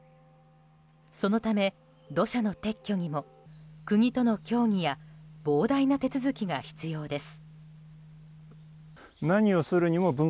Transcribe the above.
そのため、土砂の撤去にも国との協議や膨大な手続きが必要です。